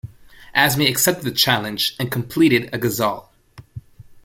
Azmi accepted the challenge and completed a ghazal.